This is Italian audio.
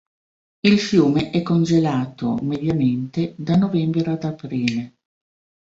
Il fiume è congelato, mediamente, da novembre ad aprile.